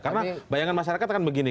karena bayangan masyarakat akan begini